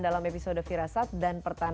dalam episode firasat